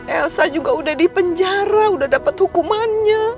elsa juga udah di penjara udah dapat hukumannya